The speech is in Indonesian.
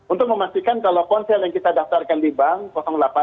untuk memastikan kalau ponsel yang kita daftarkan di bank delapan